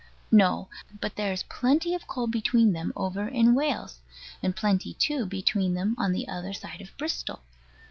No. But there is plenty of coal between them over in Wales; and plenty too between them on the other side of Bristol.